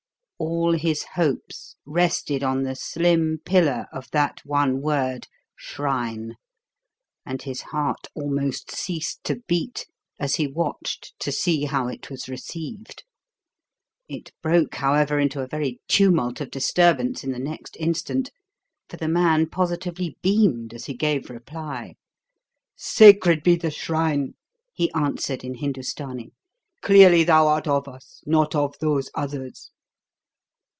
All his hopes rested on the slim pillar of that one word, "shrine," and his heart almost ceased to beat as he watched to see how it was received. It broke, however, into a very tumult of disturbance in the next instant, for the man positively beamed as he gave reply. "Sacred be the shrine!" he answered in Hindustani. "Clearly thou art of us not of those others."